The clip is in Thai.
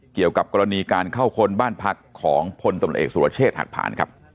เกี่ยวกับกรณีการเข้าค้นบ้านพักของพลตำรวจเอกสุรเชษฐ์หักผ่านครับ